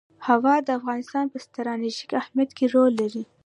هوا د افغانستان په ستراتیژیک اهمیت کې رول لري.